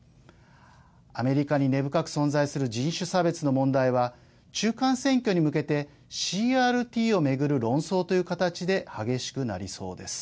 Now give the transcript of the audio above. アメリカに根深く存在する人種差別の問題は中間選挙に向けてＣＲＴを巡る論争という形で激しくなりそうです。